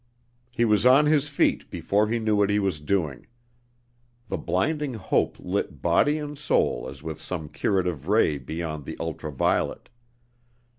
He was on his feet before he knew what he was doing. The blinding hope lit body and soul as with some curative ray beyond the ultra violet.